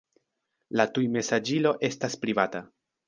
La tujmesaĝilo estas privata.